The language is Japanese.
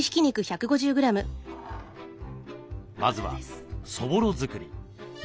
まずはそぼろ作り。